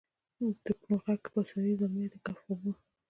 دپڼو ږغ یې پاڅوي زلمي د کهف دخوبه